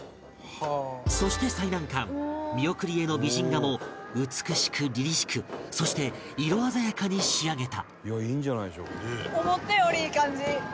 そして最難関見送り絵の美人画も美しくりりしくそして色鮮やかに仕上げた